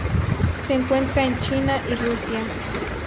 Se encuentra en China y Rusia.